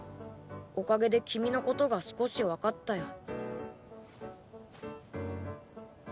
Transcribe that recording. おかげで君のことが少し分かったよ。